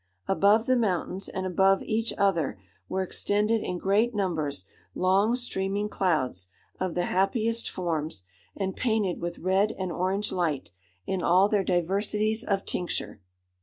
Above the mountains, and above each other, were extended in great numbers long streaming clouds, of the happiest forms, and painted with red and orange light, in all their diversities of tincture.